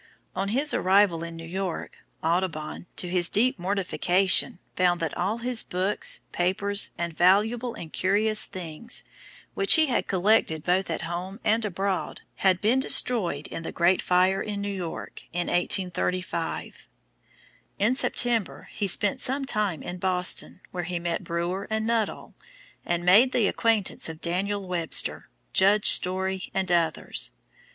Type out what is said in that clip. On his arrival in New York, Audubon, to his deep mortification, found that all his books, papers, and valuable and curious things, which he had collected both at home and abroad, had been destroyed in the great fire in New York, in 1835. In September he spent some time in Boston where he met Brewer and Nuttall, and made the acquaintance of Daniel Webster, Judge Story, and others.